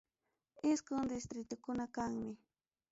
Isqun distritukuna kanmi.